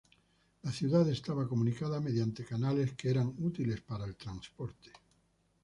La ciudad estaba comunicada mediante canales que eran útiles para el transporte.